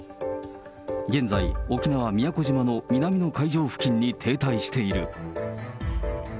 現在、沖縄・宮古島の南の海上付近に停滞している。